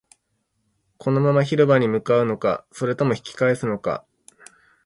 このまま広場に向かうのか、それとも引き返すのか